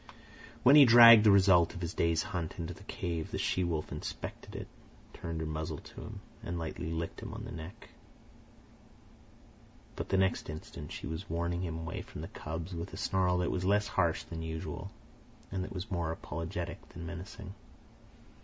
When he dragged the result of his day's hunt into the cave, the she wolf inspected it, turned her muzzle to him, and lightly licked him on the neck. But the next instant she was warning him away from the cubs with a snarl that was less harsh than usual and that was more apologetic than menacing.